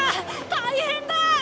大変だ！